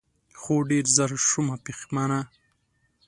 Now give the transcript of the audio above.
خو ډېر زر شومه پښېمانه